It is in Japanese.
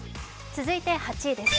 続いて８位です。